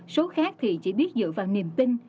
số khác thì chỉ biết dựa vào niềm tin